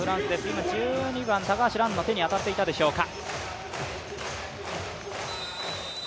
今、１２番、高橋藍の手に当たっていたでしょうか。